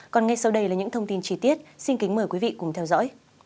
còn ngay sau đây là những thông tin chi tiết xin kính mời quý vị cùng theo dõi